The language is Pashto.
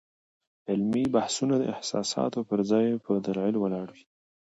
علمي بحثونه د احساساتو پر ځای په دلایلو ولاړ وي.